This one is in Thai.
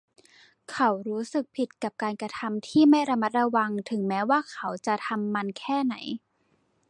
เขารู้สึกผิดกับการกระทำที่ไม่ระมัดระวังถึงแม้ว่าเขาจะทำมันแค่ไหน